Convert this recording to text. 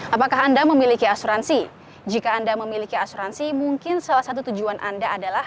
apakah anda memiliki asuransi jika anda memiliki asuransi mungkin salah satu tujuan anda adalah